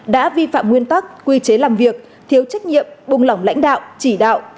đã vi phạm nguyên tắc quy chế làm việc thiếu trách nhiệm buông lỏng lãnh đạo chỉ đạo